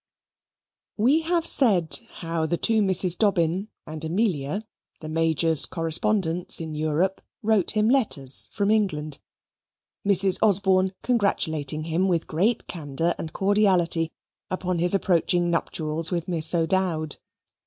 We have said how the two Misses Dobbin and Amelia, the Major's correspondents in Europe, wrote him letters from England, Mrs. Osborne congratulating him with great candour and cordiality upon his approaching nuptials with Miss O'Dowd.